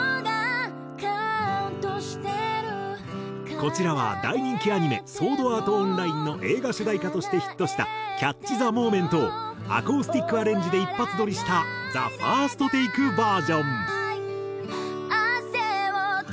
こちらは大人気アニメ『ソードアート・オンライン』の映画主題歌としてヒットした『ＣａｔｃｈｔｈｅＭｏｍｅｎｔ』をアコースティックアレンジで一発どりした「ＴＨＥＦＩＲＳＴＴＡＫＥｖｅｒ．」。